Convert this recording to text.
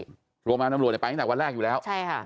โรงพยาบาลตำรวจไปตั้งแต่วันแรกอยู่แล้วใช่ค่ะ